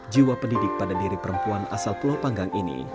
jiwa pendidik pada diri perempuan asal pulau panggang ini